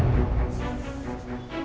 cuuka akhirnya untuk ikuti dstar